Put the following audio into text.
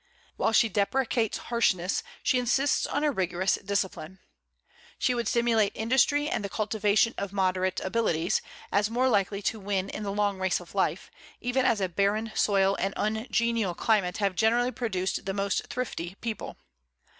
While she deprecates harshness, she insists on a rigorous discipline. She would stimulate industry and the cultivation of moderate abilities, as more likely to win in the long race of life, even as a barren soil and ungenial climate have generally produced the most thrifty people.